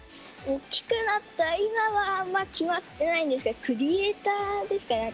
大きくなったら今は決まってないんですけどクリエーターですかね。